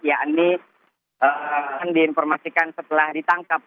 yakni akan diinformasikan setelah ditangkap